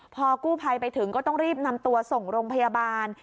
พอกู้ภัยไปถึงก็ต้องรีบนำตัวส่งโรงพยาบาล